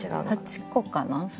８個かな？